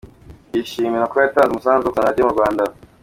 Yishimira ko yatanze umusanzu mu kuzamura Radio mu Rwanda.